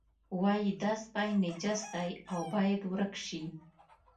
وایي دا سپی نجس دی او باید ورک شي.